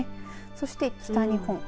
そして、北日本